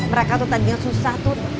mereka tuh tadinya susah tuh